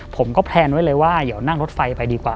ผมก็แพลนไว้เลยว่าเดี๋ยวนั่งรถไฟไปดีกว่า